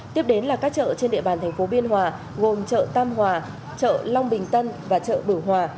tiếp đến là các chợ trên địa bàn thành phố biên hòa gồm chợ tam hòa chợ long bình tân và chợ bửu hòa